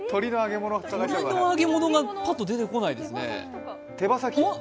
鶏の揚げ物がパッと出てこないですね。